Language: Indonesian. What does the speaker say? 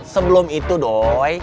sebelum itu doi